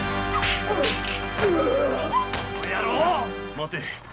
待て。